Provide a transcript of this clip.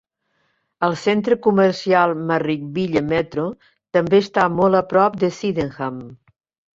El centre comercial Marrickville Metro també està molt a prop de Sydenham.